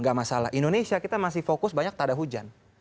gak masalah indonesia kita masih fokus banyak tada hujan